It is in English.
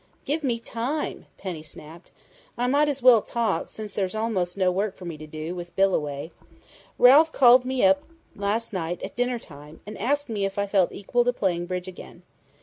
"Give me time!" Penny snapped. "I might as well talk, since there's almost no work for me to do, with Bill away.... Ralph called me up last night at dinner time, and asked me if I felt equal to playing bridge again.